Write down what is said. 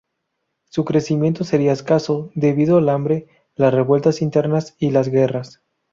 Su crecimiento sería escaso, debido al hambre, las revueltas internas y las guerras.